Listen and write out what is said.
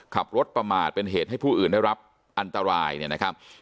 ขับรถประมาทเป็นเหตุให้ผู้อื่นได้รับอันตรายเนี่ยนะครับ